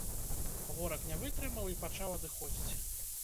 Вораг не вытрымаў і пачаў адыходзіць.